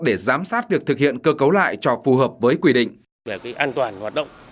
để giám sát việc thực hiện cơ cấu lại cho phù hợp với quy định